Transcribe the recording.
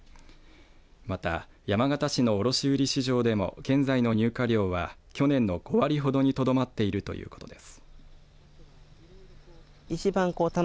また、山形市の卸売市場でも現在の入荷量は去年の５割ほどにとどまっているということです。